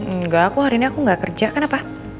enggak aku hari ini aku gak kerja kenapa